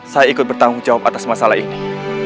saya ikut bertanggung jawab atas masalah ini